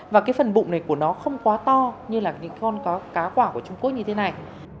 và cái phần bụng này của nó không quá to như là những con có cá quả của trung quốc như thế này